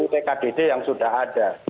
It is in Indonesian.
tkdd yang sudah ada